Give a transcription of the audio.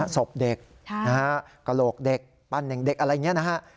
ศพเด็กนะฮะกระโหลกเด็กปั้นเด็กอะไรอย่างนี้นะฮะ